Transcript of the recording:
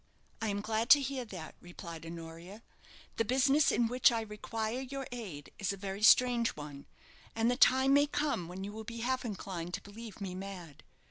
"I am glad to hear that," replied Honoria. "The business in which I require your aid is a very strange one; and the time may come when you will be half inclined to believe me mad.